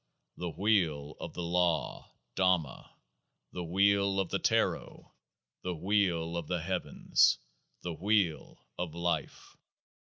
The Wheel of the Law [Dhamma]. The Wheel of the Taro. The Wheel of the Heavens. The Wheel of Life.